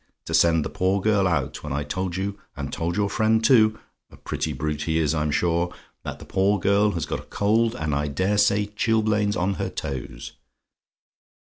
to send the poor girl out, when I told you and told your friend, too a pretty brute he is, I'm sure that the poor girl had got a cold and I dare say chilblains on her toes.